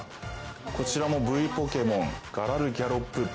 こちらもＶポケモンガラルギャロップＶ。